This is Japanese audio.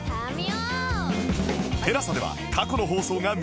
ＴＥＬＡＳＡ では過去の放送が見放題